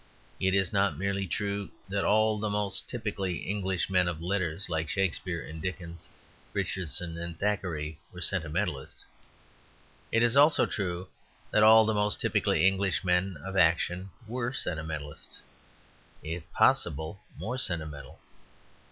It is not merely true that all the most typically English men of letters, like Shakespeare and Dickens, Richardson and Thackeray, were sentimentalists. It is also true that all the most typically English men of action were sentimentalists, if possible, more sentimental.